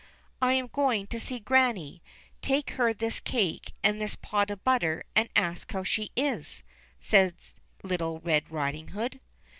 '*I am going to see Grannie, take her this cake and this pot of butter and ask how she is," says little Red Riding Hood.